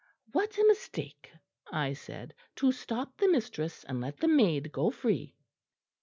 "'What a mistake,' I said, 'to stop the mistress and let the maid go free!'